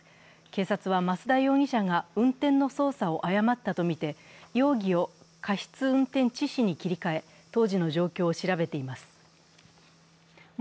警察は増田容疑者が、運転の操作を誤ったとみて、容疑を過失運転致死に切り替え当時の状況を調べています。